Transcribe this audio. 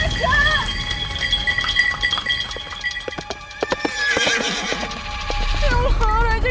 raja tolong aku raja